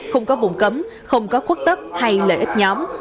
không có vùng cấm không có khuất tức hay lợi ích nhóm